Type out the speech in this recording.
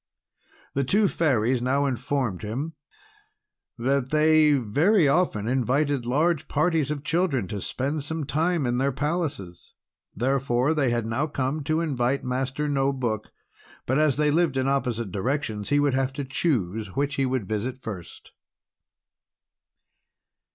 The two Fairies now informed him that they very often invited large parties of children to spend some time at their palaces. Therefore they had now come to invite Master No Book, but as they lived in opposite directions, he would have to choose which he would visit first.